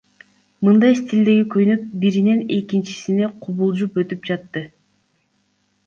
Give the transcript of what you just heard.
Мындай стилдеги көйнөк биринен экинчисине кубулжуп өтүп жатты.